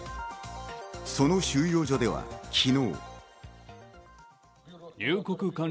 その収容所では昨日。